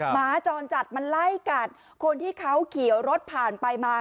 หมาจรจัดมันไล่กัดคนที่เขาขี่รถผ่านไปมา